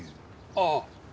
ああ。